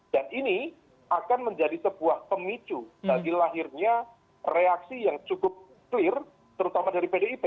dan ini akan menjadi sebuah pemicu bagi lahirnya reaksi yang cukup clear terutama dari pdip